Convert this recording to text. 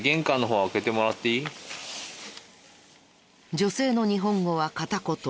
女性の日本語は片言。